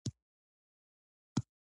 سیالي د هر پانګوال د هڅې لامل کېږي